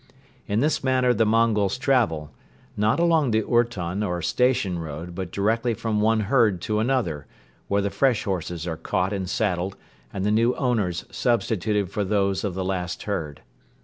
In this manner the Mongols travel, not along the ourton or station road but directly from one herd to another, where the fresh horses are caught and saddled and the new owners substituted for those of the last herd.